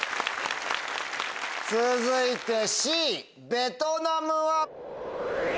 続いてＣ「ベトナム」は？